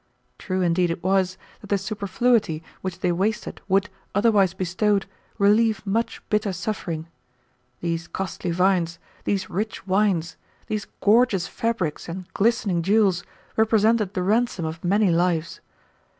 True indeed it was, that the superfluity which they wasted would, otherwise bestowed, relieve much bitter suffering. These costly viands, these rich wines, these gorgeous fabrics and glistening jewels represented the ransom of many lives.